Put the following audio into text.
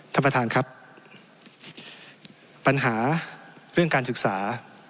ท่านประธานครับปัญหาเรื่องการศึกษา